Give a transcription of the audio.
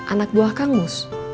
anak buah kang mus